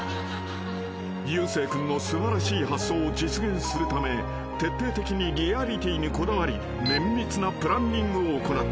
［ユウセイ君の素晴らしい発想を実現するため徹底的にリアリティーにこだわり綿密なプランニングを行った］